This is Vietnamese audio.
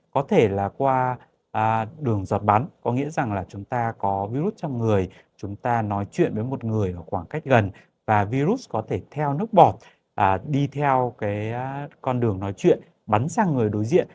có thể là qua đường giọt bắn có nghĩa rằng là chúng ta có virus trong người chúng ta nói chuyện với một người khoảng cách gần và virus có thể theo nước bọt đi theo cái con đường nói chuyện bắn sang người đối diện